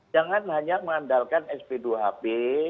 jangan hanya mengandalkan sp dua hp